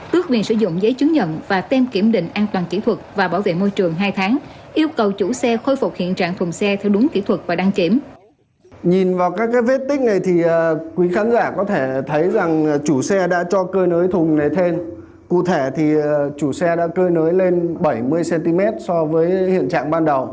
tước viên sử dụng giấy chứng nhận và tem kiểm định an toàn kỹ thuật và bảo vệ môi trường hai tháng yêu cầu chủ xe khôi phục hiện trạng thùng xe theo đúng kỹ thuật và đăng kiểm